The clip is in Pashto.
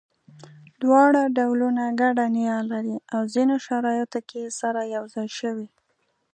دواړه ډولونه ګډه نیا لري او ځینو شرایطو کې سره یو ځای شوي.